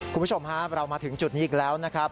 คุณผู้ชมครับเรามาถึงจุดนี้อีกแล้วนะครับ